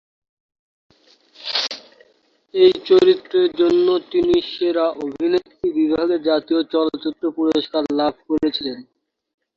এই চরিত্রের জন্য তিনি সেরা অভিনেত্রী বিভাগে জাতীয় চলচ্চিত্র পুরস্কার লাভ করেছিলেন।